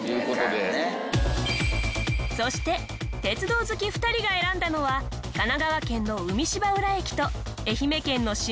そして鉄道好き２人が選んだのは神奈川県の海芝浦駅と愛媛県の下灘駅です。